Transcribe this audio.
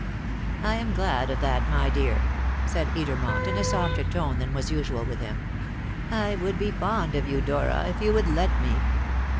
"I am glad of that, my dear," said Edermont in a softer tone than was usual with him. "I would be fond of you, Dora, if you would let me.